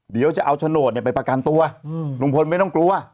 เดี๋ยวจะเอาโฉนดไปประกันตัวลุงพลไม่ต้องกลัว